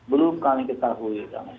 belum kami ketahui